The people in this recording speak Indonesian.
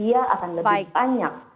dia akan lebih banyak